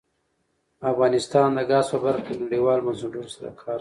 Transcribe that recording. افغانستان د ګاز په برخه کې نړیوالو بنسټونو سره کار کوي.